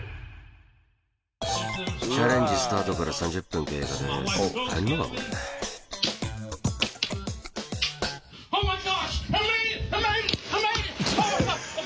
チャレンジスタートから３０分経過です。